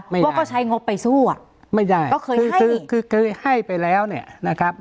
ว่าก็ใช้งบไปสู้อ่ะไม่ได้ก็เคยคือคือเคยให้ไปแล้วเนี่ยนะครับ